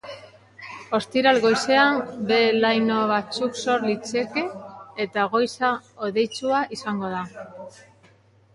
Ostiral goizean, behe-laino batzuk sor litezke, eta goiza hodeitsua izango da.